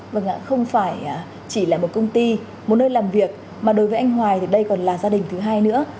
vâng ạ không phải chỉ là một công ty một nơi làm việc mà đối với anh hoài thì đây còn là gia đình thứ hai nữa